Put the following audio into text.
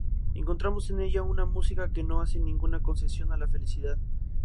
Encontramos en ella una música que no hace ninguna concesión a la facilidad.